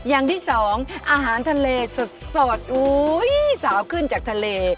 อ่านทะเลสดสร้าวขึ้นจากทะเล